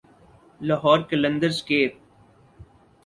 لاہور قلندرز کے